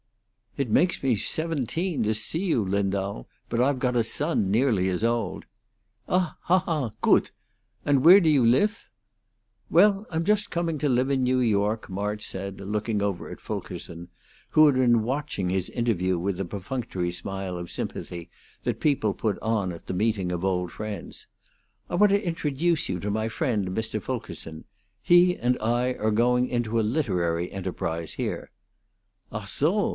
"It makes me seventeen to see you, Lindau, but I've got a son nearly as old." "Ah, ha, ha! Goodt! And where do you lif?" "Well, I'm just coming to live in New York," March said, looking over at Fulkerson, who had been watching his interview with the perfunctory smile of sympathy that people put on at the meeting of old friends. "I want to introduce you to my friend Mr. Fulkerson. He and I are going into a literary enterprise here." "Ah! zo?"